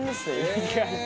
意外と。